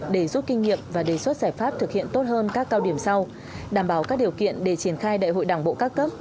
để rút kinh nghiệm và đề xuất giải pháp thực hiện tốt hơn các cao điểm sau đảm bảo các điều kiện để triển khai đại hội đảng bộ các cấp